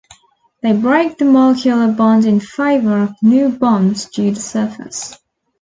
They break the molecular bond in favor of new bonds to the surface.